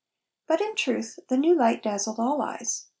But, in truth, the new light dazzled all eyes.